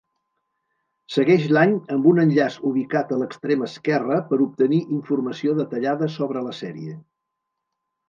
Segueix l'any amb un enllaç ubicat a l'extrem esquerre per obtenir informació detallada sobre la sèrie.